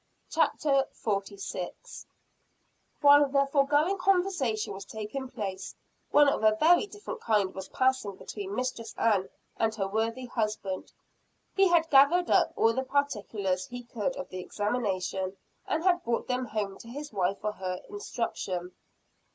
CHAPTER XLVI. Mistress Ann's Opinion of the Matter. While the foregoing conversation was taking place, one of a very different kind was passing between Mistress Ann and her worthy husband. He had gathered up all the particulars he could of the examination and had brought them home to his wife for her instruction.